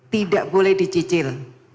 tidak boleh dicicil